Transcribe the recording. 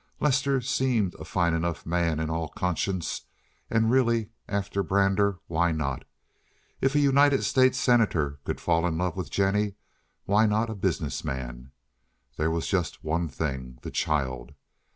Lester seemed a fine enough man in all conscience, and really, after Brander, why not? If a United States Senator could fall in love with Jennie, why not a business man? There was just one thing—the child.